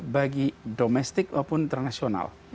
bagi domestik maupun internasional